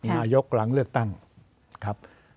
หลังเลือกตั้งครับ